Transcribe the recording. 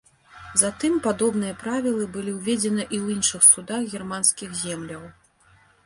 Затым падобныя правілы былі ўведзены і ў іншых судах германскіх земляў.